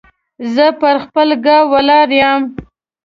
زه پر خپل ګای ولاړ يم.